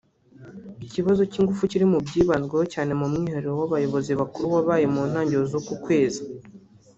Ikibazo cy’ingufu kiri mu byibanzweho cyane mu mwiherero w’abayobozi bakuru wabaye mu ntangiriro z’uku kwezi